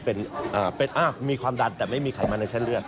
เป็นมีความดันแต่ไม่มีไขมันในเส้นเลือด